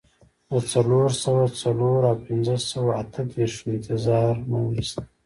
د څلور سوه څلور او پنځه سوه اته دیرشو انتظار مو وېست.